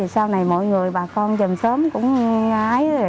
sau này mọi người bà con dần sớm cũng ngái